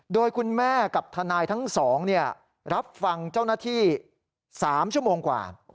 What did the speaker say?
โดยคุณแม่กับทนายทั้งสองรับฟังเจ้าหน้าที่๓ชั่วโมงกว่า